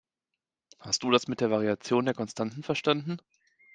Hast du das mit der Variation der Konstanten verstanden?